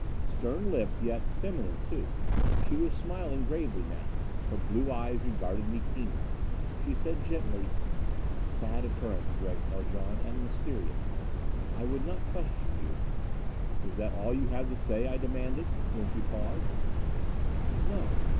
Stern lipped, yet feminine, too. She was smiling gravely now. Her blue eyes regarded me keenly. She said gently: "A sad occurrence, Gregg Haljan. And mysterious. I would not question you " "Is that all you have to say?" I demanded, when she paused. "No.